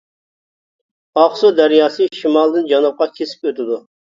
ئاقسۇ دەرياسى شىمالدىن جەنۇبقا كېسىپ ئۆتىدۇ.